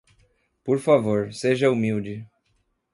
Por favor, seja humilde.